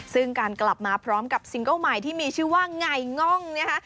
ซึ่งการกลับมาพร้อมกับซิงเกิ้ลใหม่ที่มีชื่อว่าไงง่องนะคะ